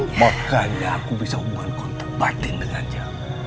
makanya aku bisa hubungan kontak batin dengannya